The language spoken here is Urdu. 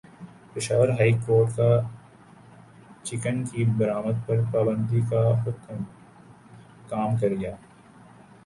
پشاور ہائی کورٹ کا چکن کی برآمد پر پابندی کا حکم کام کر گیا